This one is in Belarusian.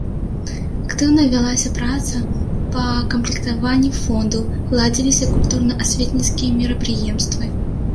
Актыўна вялася праца па камплектаванні фонду, ладзіліся культурна-асветніцкія мерапрыемствы.